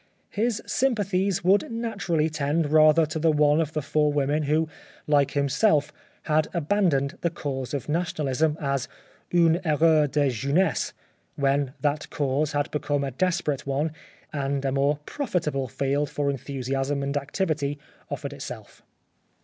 His sympathies would naturally tend rather to the one of the four women who like himself had abandoned the cause of National ism as une erreur de jeunesse when that cause had become a desperate one and a more profitable field for enthusiasm and activity offered itself.